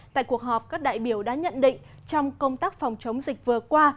tại cuộc họp các đại biểu đã nhận định trong công tác phòng chống dịch vừa qua